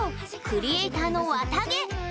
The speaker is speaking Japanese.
クリエイターのわたげ！